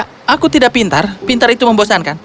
kalau kau tidak pintar pintar itu membosankan